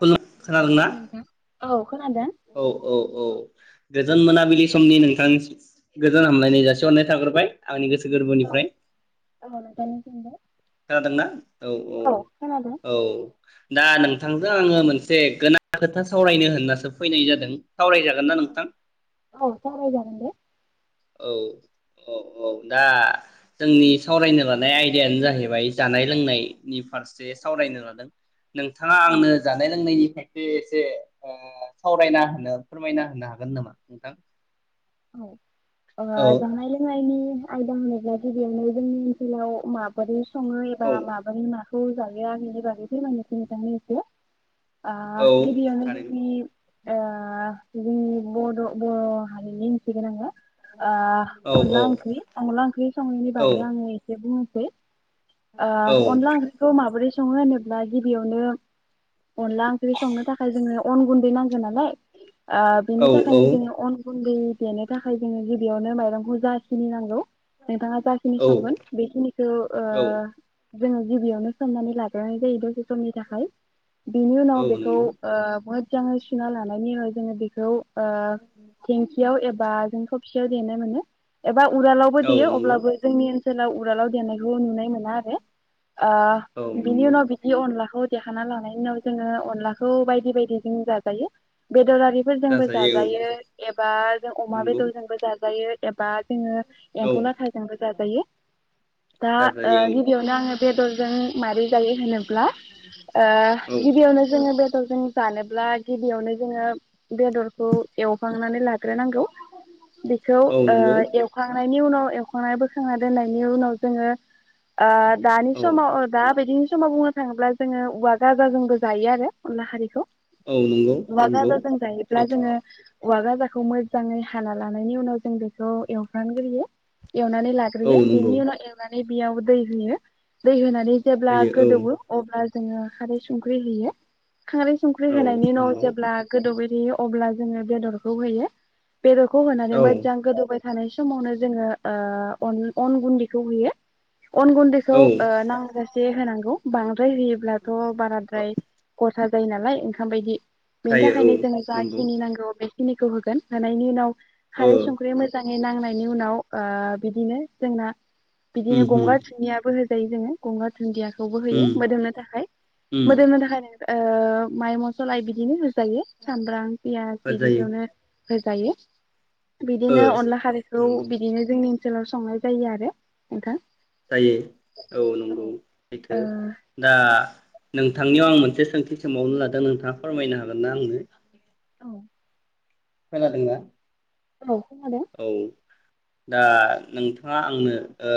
[unintelligible] खोनादों औ ना नोंथां। औ खोनादों औ औ औ गोजोन मोनाबिलि समनि नोंथां गोजोन हामलायनाय जासिहरनाय थाग्रोबाय आंनि गोसो गोसो औ। गोरबोनिफ्राय औ नोंथांनिसिमबो खोनादोंना औ औ औ दा नोंथांजों आङो मोनसे गोनां खोथा सावरायनो होनना सो फैनाय जादों औ सावराय जागोन दे औ औ औ दा जोंनि सावरायनो लानाय आयदायानो जाहैबाय जानाय लोंनायनि फारसे सावरायनो लादों नोंथाङा औ। आंनो जानाय लोंनायनि एसे ओ सावरायना होनो फोरमायना होनो हागोन नामा नोंथां औ औ जानाय लोंनायनि आयदा होनोब्ला गिबियावनो जोंनि ओनसोलाव माबोरै सङो एबा औ माबुरै माखौ जाजाया बेनि बागै फोरमायनो [unintelligible] आ औ गिबियावनो थारैनो जोंनि आ जोंनि बड' बर' हारिनि [unintelligible] ओ औ औ अनला ओंख्रि अनला ओंख्रि संनायनि औ बागै आङो एसे बुं सै ओ औ अनला ओंख्रिखौ माबोरै सङो होनोब्ला गिबियावनो अनला ओंख्रि संनो थाखाय जोङो अन गुनदै नांगौ नालाय आ बिनि थाखायनो औ जोङो अन गुनदै देनो थाखाय जोङो गिबियावनो माइरंखौ जाखिनि नांगौ नोंथाङा जाखिनि संगोन बेखिनिखौ ओ औ जोङो गिबियावनो सोमनानै लाग्रोय जायो दसे समनि था खाय बिनि औ नंगौ उनाव बेखौ औ ओ बुहुद मोजाङै सुना लानायनि उनाव जोङो बेखौ ओ थिंखियाव ए बा जों थुबसियाव देनो मोनो एबा उरालावबो देयो नंगौ अब्लाबो जोंनि ओन सोलाव उरालाव देनायखौ नुनाय मोना आ औ बिनि नंगौ उनाव बिदि अनलाखौ देखाना लानाय उनाव जोङो अनलाखौ बायदि बायदि जों जाजायो बेदरारिफोरजोंबो जाजायो एबा जों अमा नंगौ बेदरजोंबो जाजायो एबा जोङो औ एम्फौ लाथाजोंबो जाजायो दा जाजायो ओ आङो बेदरजों मारै जायो होनोब्ला ओ औ औ गिबियावनो जोङो बे दरजों जानोब्ला गिबियावनो जोङो बेदरखौ एवहांनानै लाग्रोनांगौ बेखौ औ ओ नंगौ एवखांनाय बेनि उनाव एवखांनाय बोखांना दोननायनि उनाव जोङो आ दानि औ समाव दा बिदि समाव बुंनो थाङोब्ला जोङो औवा गाजोंबो जायो आरो अनला खारिखौ औ नंगौ औवा नंगौ गाजाजों जायोब्ला सैथो जोंङो औवा गाजाखौ मोजाङै हाना लानायनि उनाव जों बेखौ एवफ्रानग्रोयो एवनानै औ लाग्रोयो बेनि नंगौ उनाव एवनानै नै बेयाव दै होयो दै होनानै जेब्ला होयो गोदौओ औ अब्ला जोङो खारै संख्रि होयो खारै संख्रै औ होनायनि उनाव नंगौ जेब्ला गोदौबाय यो अब्ला जोङो बेदरखौ होयो बेदरखौ होनानै औ मोजां गोदौबाय थानाय समावनो जोङो ओ अन गुन्न्दैखौ होयो अन गुन्दैखौ औ ओ नां जे होनांगौ बांद्राय होयोब्लाथ' बाराद्राय ग सा जायो नालाय ओंखाम बायदि बेनि जायो थाखायनो औ जोङो नंगौ जाखिनि नांगौ बे खिनिखौ होगोन होनानायनि उनाव ओ खारै संख्रै मोजां नि नांनायनि उनाव ओ बिदिनो जोंना बिदिनो उम गंगार उम धुनियाबो होजा जायो जो गंगार धुनदिया खौबो होयो उम मोदोमनो थाखाय उम मोदोमनो थाखायनो ओ माइ मसला बिदिनो होजायो सामब्राम पियास होजायो बिदिखौनो होजायो बिदिनो ओ अनला खारैखौ नंगौ बिदिनो जोंनि जोलाव संनाय जायो आरो नोंथां जायो औ नंगौ सैथो दा ओ नोंथांनियाव आं मोनसे सोंथि सोंबावनो लादों नोंथाङा फोरमायनो हागोन ना आंनो औ खोनादों ना औ खोनादों औ दा नोंथाङा आंनो ओ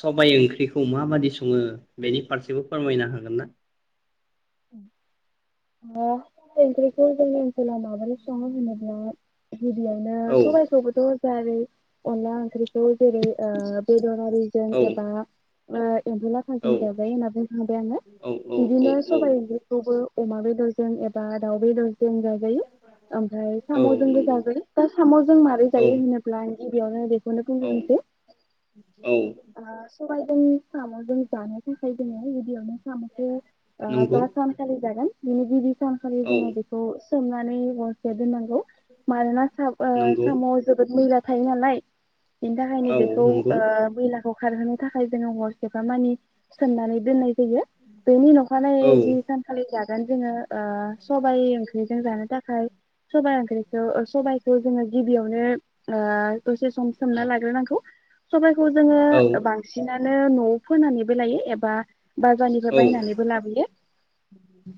सबाय ओंख्रिखौ माबादि सङो बेनि फारसेबो फोरमायनो हागोन ना [unintelligible] सबाय ओंख्रिखौ जोंनि ओनसोलाव माबादि सङो होनबोला गिबियावनो औ सबायखौबोथ' [unintelligible] अनला ओंख्रि खौ जेरै ओ बेदर आरिजों औ एबा ओ एमफौ औ लाथाजों जाजायो होनना बुंखांबाय आङो औ औ औ बिदिनो औ सबाय ओंख्रिखौबो अमा बेदरजों एबा दाउ बेदर जों जाजायो आमफ्राय औ साम'जोंबो नंगौ जाजायो दा साम'जों माबोरै जायो औ होनोब्ला गिबियावनो औ बेख औ [unintelligible] सबायजों साम'जों जानो थाखाय जों गिबियावनो साम'खौ आ नंगौ जा सानखालि जागोन बिनि गिबि सानखालि औ जोङो बेखौ सोमनानै हरसे दोननां गौ मानोना साम ओ नंगौ साम'आव जोबोत मैला थायो नालाय बिनि थाखायनो औ बेखौ नंगौ ओ मैला खौ खारहोनो थाखाय जोङो हरसेफा मानि सोमनानै दोननाय जायो बेनि उनाव [unintelligible] औ जि सानखालि जागोन जोङो ओ सबाइ ओंख्रिजों जानो थाखाय सबाइ ओंख्रि ओ सबाइखौ जोङो गिबियावनो ओ दसे सम सोमना लाग्रोनांगौ सबाइखौ जोङो औ बांसिना नो न'आव फोनानैबो लायो एबा बाजारनिफ्राय औ बायनानै बो लाबोयो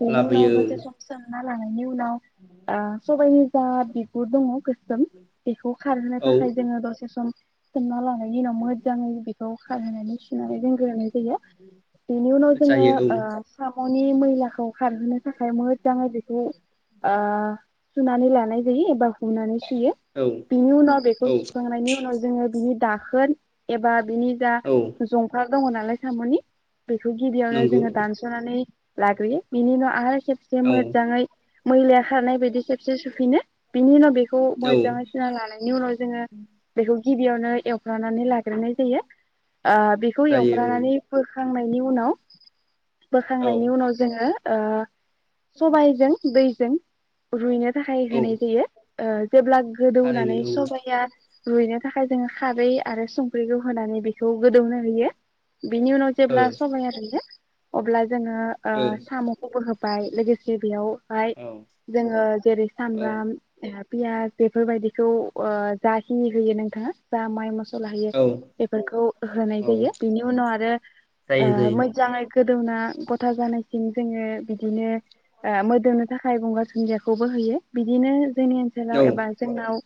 बिनि लाबोयो उनाव दसे सम सोमना [unintelligible] बिनि उनाव आ सबाइनि जा बिगुर दङ गोसोम बेखौ खारहोनो औ थाखाय जोङो दसे सम सोमना लानाय नि उनाव मोजाङै बेखौ खारहोनानै सुनानै दोनग्रोनाय जायो बिनि उनाव जोङो जायो ओ औ साम मनि मैलाखौ खारहोनो थाखाय मोजाङै बेखौ आ सुनानि लायना जायो बा हुनानै सुयो औ बिनि उनाव बेखौ औ सुखांनायनि उनाव जोङो बिनि दाखोन एबा बिनि जा औ जंफार दङ नालाय साम'नि बेखौ गिबियावनो नंगौ जोङो नानै लाग्रोयो बिनिनो उनाव आहाय खेबसे औ मोजाङै मैलाया खारनाय बायदि खेबसे सुफिनो बिनि उनाव बे खौ औ मोजाङै सुना लानायनि उनाव जोङो बेखौ गिबियावनो एवफ्रानानै लाग्रोनाय जायो ओ बिखौ जायो एवफ्रानानै बोखा खांनायनि उनाव औ बोखांनायनि उनाव जोङो ओ सबाइजों दै जों रुयनो थाखाय औ होनाय जायो ओ जेब्ला थारैनो गोदौनानै सबाइ आ रुइनो थाखाय जोङो खारै आरो संख्रिखौ होनानै बे खौ गोदौनो होयो बिनि उनाव औ ओ जेब्ला सबाइआ रुयो अब्ला जोङो ओ साम'खौबो होब बाय लोगोसे बेयाव ओमफाय औ जोङो जेरै औ सामब्राम पियास बेफोरबायदिखौ ओ जाखिनि होयो नोंथाङा जा माइ मस लायो औ बेफोरखौ होनाय औ जायो बेनि उनाव आरो जायो जायो मोजाङै गोदौना गथा जानायसिम जोङो बिदिनो ओ मोदोमनो थाखाय गंगार दुन्दियाखौबो होयो बिदिनो जोंनि ओनसोलाव एबा जोंनाव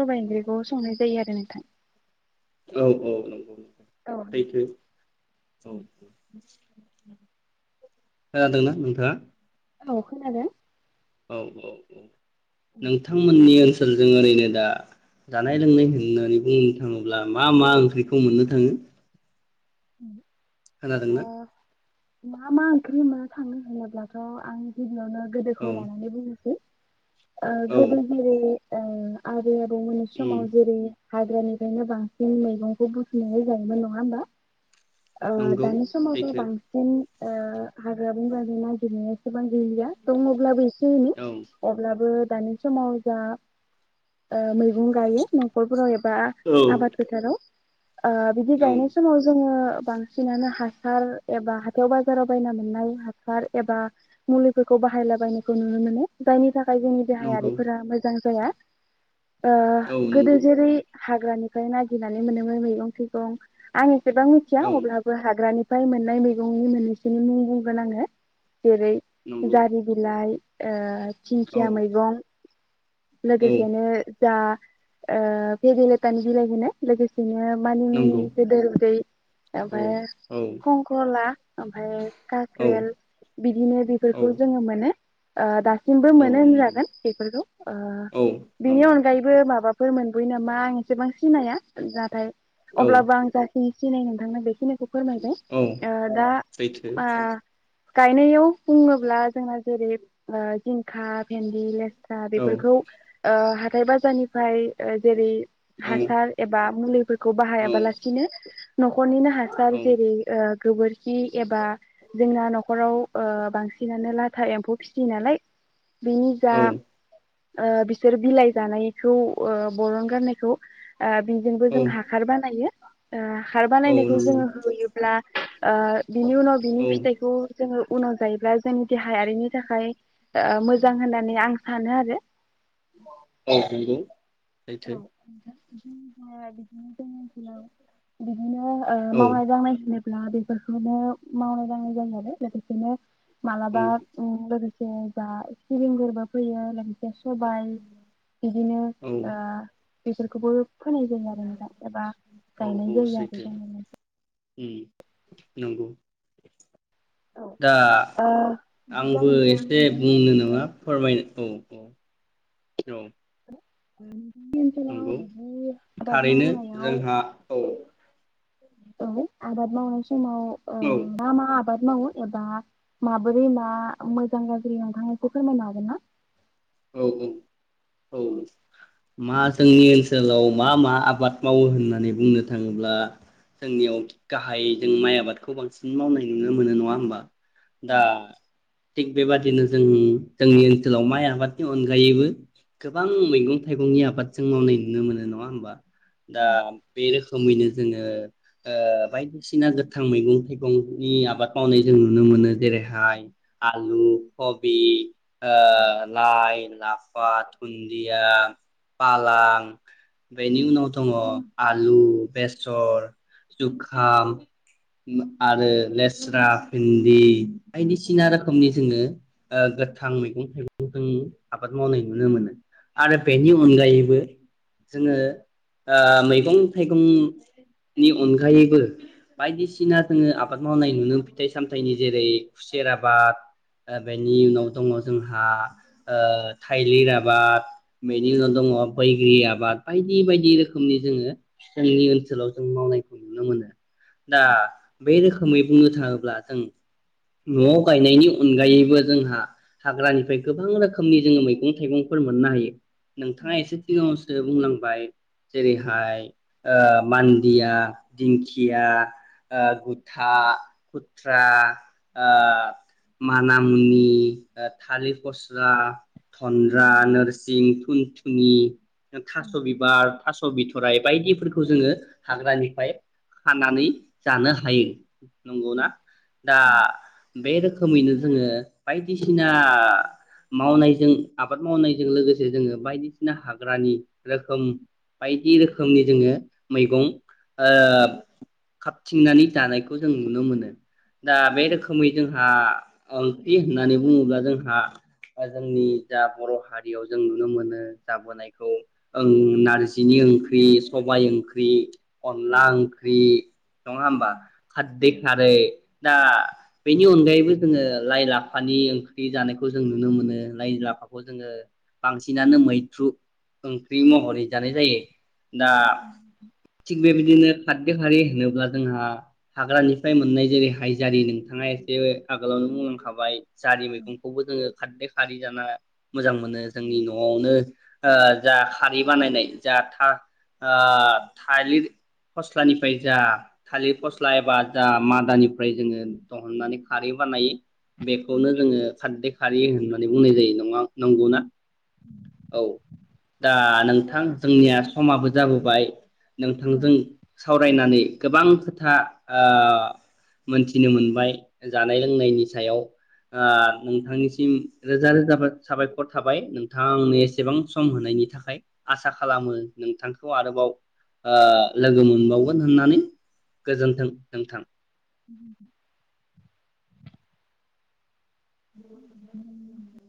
सबाइ ओंख्रिखौ संनाय जायो आरो नोंथां। औ औ नंगौ सैथो औ औ खोनादोंना नोंथाङा? औ खोनादों। औ औ औ नोंथांमोननि ओनस फोर जों ओरैनो दा जानाय लोंनाय होननानै बुंनो थाङोब्ला मा मा ओंख्रिखौ मोननो थाङो? उम खोनादोंंना मा मा ओंख्रि मोनो थांनो होनोब्लाथ' आं गिबियावनो औ गोदोखौ लानानै बुंनोसै। ओ औ गोदो जेरै ओ आ बै आबौ मोनि उम समाव जेरै हाग्रानिफ्रायनो बांसिन मैगंखौ बुथुमनानै जायोमोन नङा होमबा ओ नंगौ दानि समावथ' सैथो बांसिन ओ हाग्रा बंग्रानि नागिरनो सेबां गैलिया दं अब्लाबो एसे एनै औ अब्लाबो दानि समाव जा ओ मैगं गायो न'खरफोराव बा औ आबाद फोथाराव ओ बिदि औ गायनाय समाव जोङो बांसिनानो हासार एबा हाथायाव बाय जाराव बायना मोननाय हासार। एबा मुलिफोरखौ बाहायलाबायनायखौ नुनो मोनो जायनि थाखाय जोंनि नंगौ देहायारिफोरा मोजां जाया। ओ औ गोदो नंगौ जेरै हाग्रानिफ्राय नागिरनानै मोनोमोन मैगं थोयगं आं एसेबां थिया औ अब्लाबो हाग्रानि फ्राय मोननाय मैगंनि मोननैसोनि मुं बुंगोन आङो। जेरै नंगौ जारि बिलाइ ओ औ दिंखिया मैगं औ लोगोसेनो दा ओ भेेदेलेथानि बिलाइखौनो लोगोसेनो मानि मुनि नंगौ गेदेर उनदै औ ओमफाय औ खंखला ओमफाय औ काक्रेल बिदिनो औ बेफोरखौ जोङो मोनो [inaudible] सिमबो औ मोनो नंगौ होनजागोन बेफोरखौ ओ औ बेनि नंगौ अनगायैबो माबाफोर मोनबोयो नामा आं एसेबां सिनाया नाथाय औ अब्लाबो आं जाखिनि सिनायोमोन नोंथांनो बेखौनो फोरमायबाय औ अ दा सैथो आ गायनायाव बुङोब्ला जोंना जेरै ओ जिंखा भिनदि लेस्रा औ बेफोरखौ ओ हाथाइ बाजारनिफ्राय ओ जेरै औ औ हासार एबा मुलिफोरखौ औ बाहायाबालासिनो नख'रनिनो हासार औ जेरै ओ गोबोरखि एबा जोंना न'खराव ओ बांसिनानो लाथा एम्फौ फिसियो नालाय बिनि जा औ ओ बिसोर बिलाइ जानायखौ ओ बरन गारनायखौ आ बिजोंबो जों नंगौ हासार बानायो ओ हासार औ बानायनायखौ नंगौ सैथो जोङो होयोब्ला आ बिनि उनाव बिनि औ फिथाइखौ जोङो उनाव जायोब्ला जोंनि देहायारिनि थाखाय ओ मोजां होननानै आं सानो आरो औ नंगौ औ नोंथां बिदिनो जोंनि ओनसोलाव ओ मावनाय दांनाय होनोब्ला ब्ला बेफोरखौनो मावनाय दांनाय जायो आरो आरो लोगोसेनो मालाबा जा सिलिंगोरोबो फैयो सबाय बिदिनो ओ [inaudible] बेफोरखौबो फोनाय जायो आरो नोंथां एबा गायनाय औ जायो आरो सैथो जों उम नंगौ औ ओ दा बिदिब्ला आंबो नोंथां एसे बुंनो नोंथांमोननि नङा ओनसोलाव फोरमायनो औ औ औ उम नंगौ थारैनो मावनायाव जोंहा औ औ आबाद मावनाय स समाव ओ औ मा मा आबा आबाद मावो एबा माबोरै मा मोजां गाज्रि नोंथां बेखौ फोरमायनो हागोन ना औ औ औ मा जोंनि ओनसोलाव मा मा आबाद मावो होननानै बुंनो थाङोब्ला जोंनियाव गाहाय जों माइ आबादखौ बांसिन मावनाय नुनो मोनो नङा होमबा दा थिग बेबादिनो जों जोंनि ओनसोलाव माइ आबाद नि अनगायैबो गोबां मैगं थाइगंनि आबाद जों मावनाय नुनो मोनो नङा होमबा दा बे रोखोमैनो जोङो ओ बायदिसिना गोथां मैगं थाइगंनि आबाद मावनाय जों नुनो मोनो जेरैहाय आलु कबि आ लाइ लाफा थुन्दिया फालां बेनि उनाव दङ आलु बेसर जुखाम आरो लेस्रा भिन्दि बायदिसिना रोखोमनि जोङो ओ गोथां मैगं थाइगं जोंनि आबाद मावनाय नुनो मोनो आरो बेनि अनगायैबो जोङो ओ मैगं थाइगंनि अनगायैबो बायदिसिना जोङो आबाद मावनाय नुनो फिथाइ सामथाइनि जेरै खुसेर आबाद ओ बेनि उनाव दङ जोंहा ओ थाइलिर आबाद बेनि उनाव दङ बैग्रि आबाद बायदि बायदि रोखोमनि जोङो जोंनि ओनसोलाव जों मावनायखौ नुनो मोनो दा बे रोखोमै बुंनो थाङोब्ला जों न'आव गायनायनि अनगायैबो जोंहा हाग्रानिफ्राय गोबां रोखोमनि जोङो मैगं थाइगंफोर मोननो हायो नोंथाङा एसे सिगाङावसो बुंलांबाय जेरै हाय आ मान्दिया दिंखिया ओ गुद था आ आ मानामुनि ओ थालिर फस्ला, थन्द्रा, नोरसिं, थुनथुनि, थास' बिबार, थास स' बिथराय बायदिफोरखौ जोङो हाग्रानिफ्राय खानानै जानो हायो। नंगौना दा बे रोख खोमैनो जोङो बायदिसिना मावनायजों आबाद मावनायजों लोगोसे जोङो बायदिसिना हाग्रानि रोखोम बायदि रोखोमनि जोङो मैगं ओ खाबथिंनानै जानायखौ जों नुनो मोनो। दा बे रोखोमै जोंहा ओंख्रि होननानै बुङोब्ला जोंहा ओ जोंनि जा बर' हारियाव जों नुनो मोनो जाबोनायखौ ओं नारजिनि ओंख्रि सबाय ओंख्रि। अनला ओंख्रि नङा होमबा खारदै खारै दा बेनि अनगायैबो जोङो लाइ लाफानि ओंख्रि जानायखौ जों नुनो मोनो लाइ लाफाखौ जोङो बांसिनानो मैथ्रु ओंख्रि महरै जानाय जायो। दा थिग बेबिदिनो खारदै खारि होनोब्ला जोंहा हाग्रानिफ्राय मोननाय जेरै हाइ जारि नोंथाङा एसे आगोलावनो बुंलांखाबाय। जारि मैगंखौबो खारदै खारै जाना मोजां मोनो जोंनि न'आवनो ओ जा खारै बानायनाय जा था ओ थालिर फस्लानिफ्राय जा थालिर फस्ला एबा जा मादानिफ्राय जोङो दहननानै खारै बानायो। बेखौनो जोङो खारदै दै होननानै बुंनाय जायो नङा नंगौना औ दा नोंथां जोंनिया समाबो जाबोबाय। नोंथांजों सावरायनानै गोबां खोथा ओ मोनथिनो मोनबाय जानाय लोंनायनि सायाव ओ नोंथांनिस सिम रोजा रोजा बा साबायखर थाबाय नोंथांनो एसेबां सम होनायनि थाखाय आसा खालामो नोंथांखौ आरोबाव ओ लोगो मोनबावगोन होननानै गोजोनथों नोंथां। [inaudible] [inaudible]